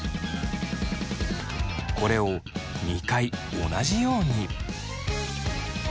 これを２回同じように。